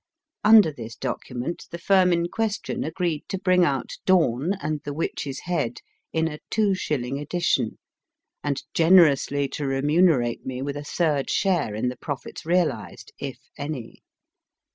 Under this document the firm in question agreed to bring out Dawn and The Witch s Head in a two shilling edition, and generously to remunerate me with a third share in the profits realised, if any.